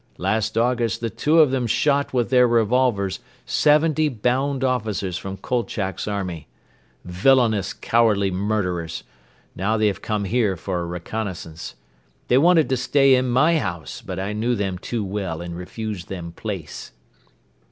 Last August the two of them shot with their revolvers seventy bound officers from Kolchak's army. Villainous, cowardly murderers! Now they have come here for a reconnaissance. They wanted to stay in my house but I knew them too well and refused them place."